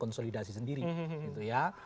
konsolidasi sendiri gitu ya